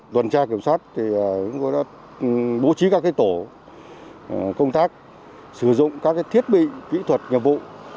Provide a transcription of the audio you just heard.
tuần tra kiểm soát bố trí các tổ công tác sử dụng các thiết bị kỹ thuật nhập vụ